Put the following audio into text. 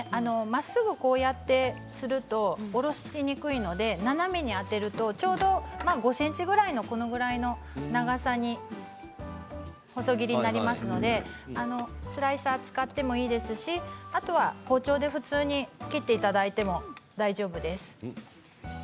まっすぐするとおろしにくいので斜めに当てるとちょうど５ｃｍぐらいのこのぐらいの長さに細切りになりますのでスライサーを使ってもいいですしあとは包丁で普通に切っていただいても大丈夫です。